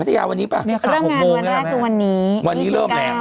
ทยาวันนี้ป่ะเนี่ยค่ะเริ่มงานวันแรกคือวันนี้วันนี้เริ่มแล้ว